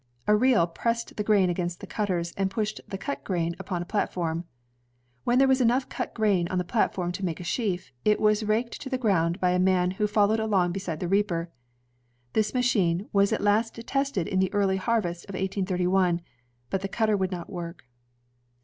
A reel pressed the grain against the cutters, and pushed the cut grain upon a platform. When there was enough cut grain on the platform to make a sheaf, it was raked to the ground by a man who followed along beside the reaper. This ma chine was at last tested in the early harvest of 183 1, but the cutter would not work.